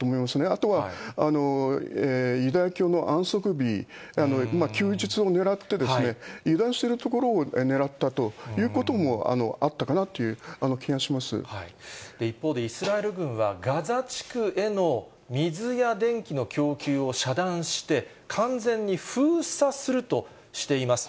あとはユダヤ教の安息日、休日を狙って、油断しているところを狙ったということもあったかなとい一方でイスラエル軍は、ガザ地区への水や電気の供給を遮断して、完全に封鎖するとしています。